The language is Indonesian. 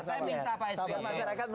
saya minta pak sbi untuk